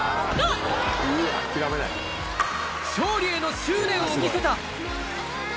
勝利への執念を見せた。